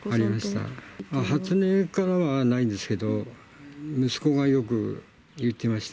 初音からはないんですけど、息子がよく言ってました。